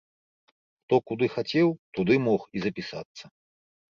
Хто куды хацеў, туды мог і запісацца.